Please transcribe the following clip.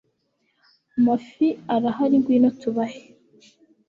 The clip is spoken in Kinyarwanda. Amafi arahari ngwino tubahe